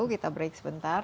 kita break sebentar